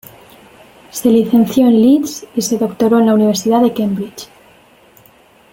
Se licenció en Leeds y se doctoró en la Universidad de Cambridge.